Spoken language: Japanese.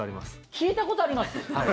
聞いたことあります？